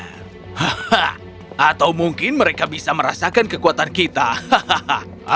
hahaha atau mungkin mereka bisa merasakan kekuatan kita hahaha